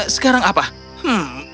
sekarang apa hmm